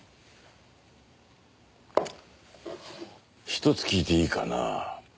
ひとつ聞いていいかな。